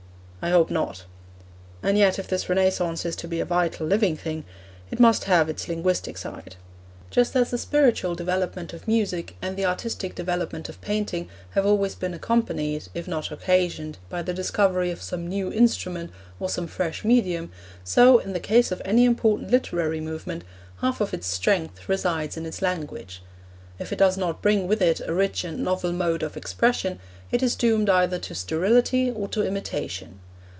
I hope not. And yet if this Renaissance is to be a vital, living thing, it must have its linguistic side. Just as the spiritual development of music, and the artistic development of painting, have always been accompanied, if not occasioned, by the discovery of some new instrument or some fresh medium, so, in the case of any important literary movement, half of its strength resides in its language. If it does not bring with it a rich and novel mode of expression, it is doomed either to sterility or to imitation.